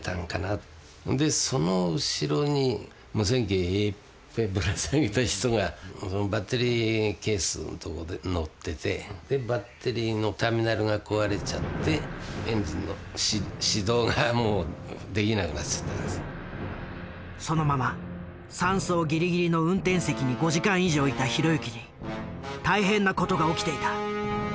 でその後ろに無線機いっぱいぶら下げた人がバッテリーケースのとこでのっててそのまま山荘ギリギリの運転席に５時間以上いた弘行に大変な事が起きていた。